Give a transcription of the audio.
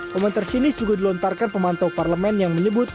komentar sinis juga dilontarkan pemantau parlemen yang menyebut